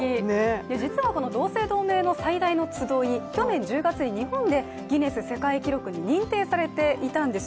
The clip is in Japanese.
実はこの同姓同名の最大の集い、去年１０月に日本でギネス世界記録に認定されていたんです